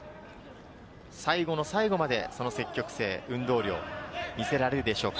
最後の最後まで、その積極性、運動量を見せられるでしょうか。